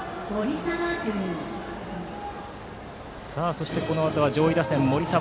そしてこのあとは上位打線の森澤。